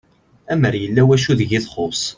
Amer yella wacu deg i txuss